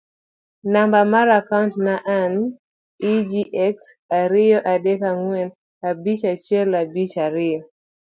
namba mar akaont na: egx ariyo adek ang'wen abich achiel abich ariyo